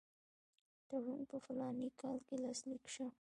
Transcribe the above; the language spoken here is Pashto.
تړون په فلاني کال کې لاسلیک شو.